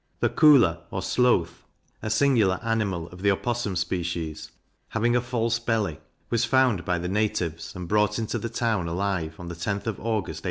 The Koolah, or Sloth, a singular animal of the Opossum species, having a false belly, was found by the natives, and brought into the town alive, on the 10th of August, 1803.